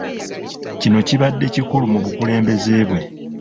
Kino kibadde kikulu mu bukulembeze bwe.